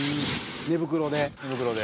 寝袋で？」